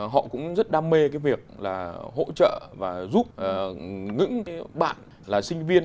họ cũng rất đam mê cái việc là hỗ trợ và giúp những cái bạn là sinh viên